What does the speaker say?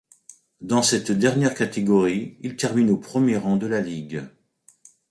Dans cette dernière catégorie, il termine au premier rang de la ligue.